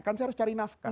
kan saya harus cari nafkah